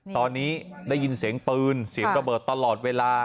ตอนนี้ได้ยินเสียงปืนเสียงระเบิดตลอดเวลา